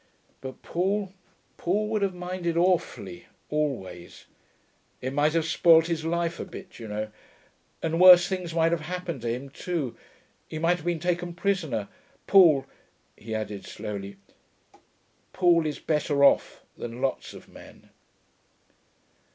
But Paul Paul would have minded awfully always; it might have spoilt his life a bit, you know.... And worse things might have happened to him, too; he might have been taken prisoner.... Paul,' he added slowly 'Paul is better off than lots of men.'